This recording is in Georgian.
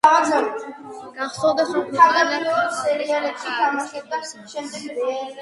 გახსოვდეს, რომ ქვეყანაზე ქაღალდის გარდა არის კიდევ სინდისი